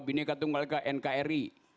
ini katakan oleh nkri